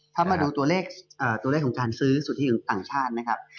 ถ้ามาดูตัวเลขตัวเลขของการซื้อสุทธิของต่างชาตินะครับ